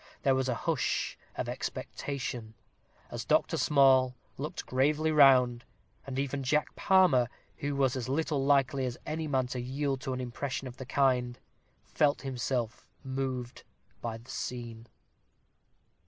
There was a hush of expectation, as Dr. Small looked gravely round; and even Jack Palmer, who was as little likely as any man to yield to an impression of the kind, felt himself moved by the scene.